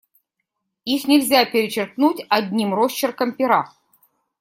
Их нельзя перечеркнуть одним росчерком пера.